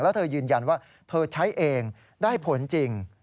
แล้วเธอยืนยันว่าเธอใช้เองได้ผลจริง